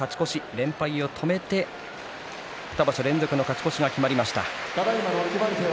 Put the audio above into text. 連敗を止めて２場所連続の勝ち越しが決まりました。